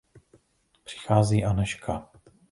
Přichází Anežka.